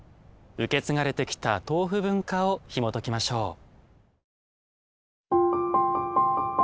受け継がれてきた豆腐文化をひもときましょう。